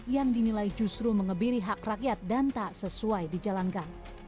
yang dinilai justru mengebiri hak rakyat dan tak sesuai dijalankan